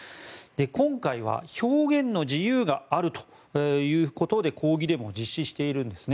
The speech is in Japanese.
今回は表現の自由があるということで抗議デモを実施しているんですね。